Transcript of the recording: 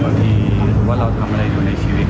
เครียดไหมพี่ตอนนี้